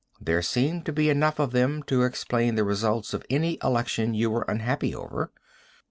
There seemed to be enough of them to explain the results of any election you were unhappy over.